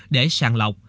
để sàng lọc